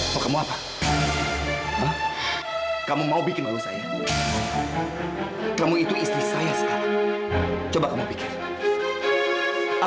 bagaimana kamu mau pikir itu tempat percayapaamaan kamu dengan amer